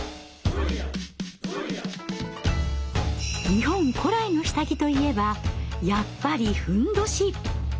日本古来の下着といえばやっぱり褌。